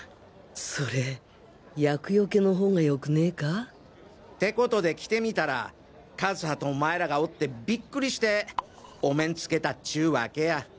それ厄除けの方がよくねぇか？ってことで来てみたら和葉とお前らがおってびっくりしてお面つけたっちゅうワケや！